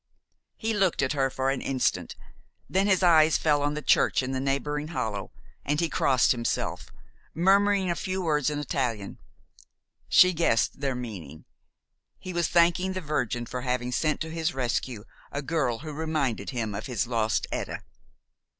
He looked at her for an instant. Then his eyes fell on the church in the neighboring hollow, and he crossed himself, murmuring a few words in Italian. She guessed their meaning. He was thanking the Virgin for having sent to his rescue a girl who reminded him of his lost Etta.